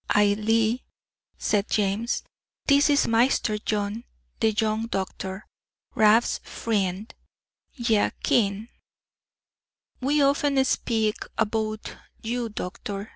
"Ailie," said James, "this is Maister John, the young doctor; Rab's freend, ye ken. We often speak aboot you, doctor."